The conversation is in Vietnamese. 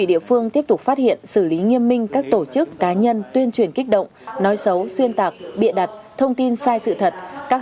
buôn bán xử lý nghiêm minh các tổ chức cá nhân tuyên truyền kích động nói xấu xuyên tạc bịa đặt thông tin sai sự thật